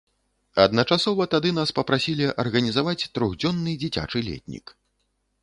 Адначасова тады нас папрасілі арганізаваць трохдзённы дзіцячы летнік.